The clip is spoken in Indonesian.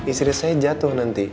istri saya jatuh nanti